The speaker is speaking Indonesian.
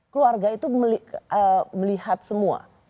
keluarga itu melihat semua